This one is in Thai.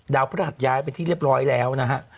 ดาวพระราชย้ายเป็นที่เรียบร้อยแล้วนะฮะ